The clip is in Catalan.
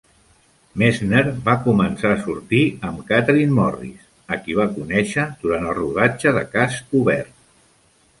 Messner va començar a sortir amb Kathryn Morris, a qui va conèixer durant el rodatge de "Cas obert".